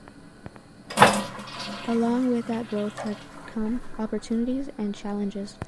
Along with that growth have come opportunities and challenges.